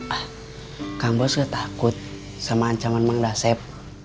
ah kang bos ketakut sama ancaman mengdasep